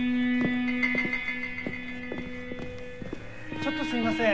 ちょっとすいません。